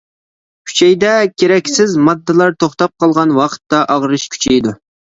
ئۈچەيدە كېرەكسىز ماددىلار توختاپ قالغان ۋاقىتتا ئاغرىش كۈچىيىدۇ.